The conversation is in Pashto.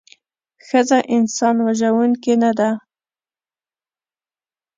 ښځه انسان وژوونکې نده